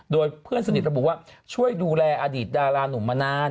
โดยเพื่อนสนิทระบุว่าช่วยดูแลอดีตดารานุ่มมานาน